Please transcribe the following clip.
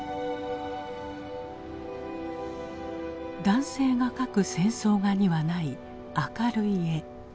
男性が描く「戦争画」にはない明るい絵。